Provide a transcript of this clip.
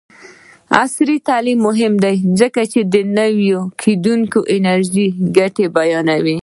عصري تعلیم مهم دی ځکه چې د نوي کیدونکي انرژۍ ګټې بیانوي.